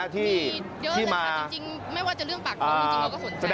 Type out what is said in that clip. มีเยอะแล้วครับจริงไม่ว่าจะเรื่องปากทรงจริงก็สนใจครับ